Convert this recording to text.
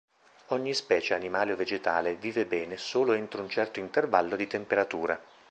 Ogni specie animale o vegetale vive bene solo entro un certo intervallo di temperatura.